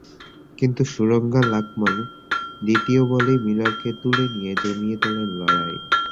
কিন্তু সুরঙ্গা লাকমাল দ্বিতীয় বলেই মিলারকে তুলে নিয়ে জমিয়ে তোলেন লড়াই।